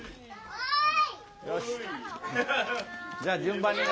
おい。